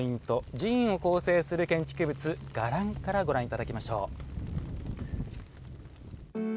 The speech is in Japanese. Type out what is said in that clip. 「寺院を構成する建築物伽藍」からご覧いただきましょう。